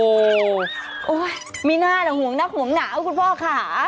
อุ๊ยมีน่าจะห่วงนักห่วงหนาวคุณพ่อค่ะ